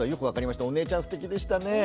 お姉ちゃんすてきでしたね。